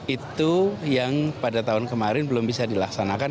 itu yang pada tahun kemarin belum bisa dilaksanakan